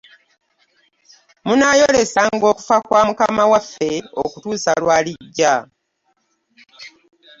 Munaayolesanga okufa kwa Mukama waffe okutuusa lw'alijja.